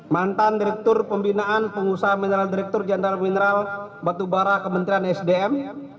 mantan direktur pembinaan pengusaha mineral direktur jenderal mineral batubara kementerian sdm